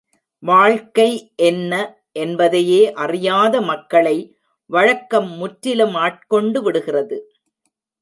வாழ்க்கை என்ன என்பதையே அறியாத மக்களை வழக்கம் முற்றிலும் ஆட்கொண்டு விடுகின்றது.